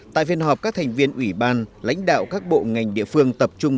tại phiên họp các thành viên ủy ban lãnh đạo các bộ ngành địa phương tập trung